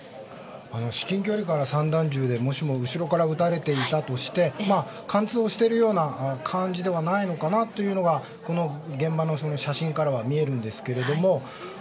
至近距離から散弾銃で、もしも後ろから撃たれていたとして貫通をしているような感じではないのかなというのがこの現場の写真からは見えるんですけれども。